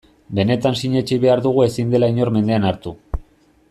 Benetan sinetsi behar dugu ezin dela inor mendean hartu.